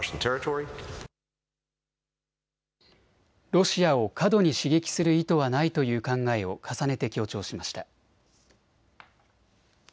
ロシアを過度に刺激する意図はないという考えを重ねて強調しました。